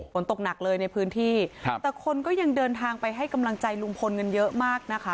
ฝนตกหนักเลยในพื้นที่ครับแต่คนก็ยังเดินทางไปให้กำลังใจลุงพลกันเยอะมากนะคะ